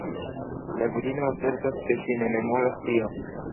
La virino asertas ke ŝi ne memoras tion.